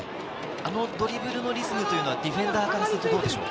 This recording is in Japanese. あのドリブルのリズムはディフェンダーからすると、どうですか？